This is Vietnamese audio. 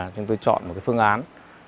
chúng tôi chọn một cái phương án